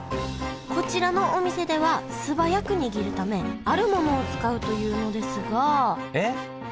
こちらのお店では素早く握るためあるものを使うというのですが何だと思いますか？